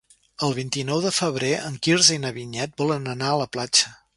El vint-i-nou de febrer en Quirze i na Vinyet volen anar a la platja.